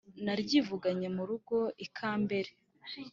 naryivuganye mu rugo ikambere